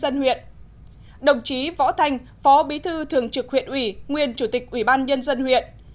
ubnd huyện đồng chí võ thanh phó bí thư thường trực huyện ủy nguyên chủ tịch ubnd huyện